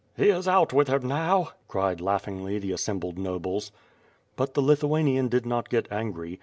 "He is out with him now," cried laughingly the assembled nobles. But the Lithuanian did not get angry.